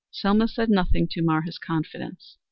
Selma said nothing to mar his confidence.